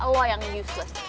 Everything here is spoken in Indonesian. lo yang useless